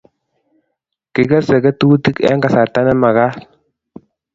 Kikesei ketutik eng kasarta ne magat